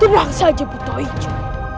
tenang saja buto ijo